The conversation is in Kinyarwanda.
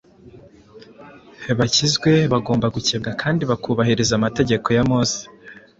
bakizwe bagomba gukebwa kandi bakubahiriza amategeko ya Mose.